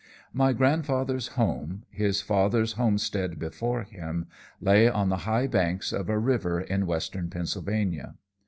"My grandfather's home, his father's homestead before him, lay on the high banks of a river in Western Pennsylvania.